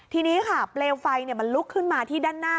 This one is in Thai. ทีนี้ค่ะเปลวไฟมันลุกขึ้นมาที่ด้านหน้า